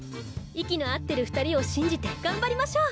息の合ってる２人を信じて頑張りましょう。